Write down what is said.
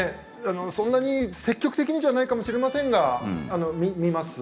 そんなに積極的ではないかもしれませんが読みます。